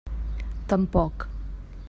Tampoc.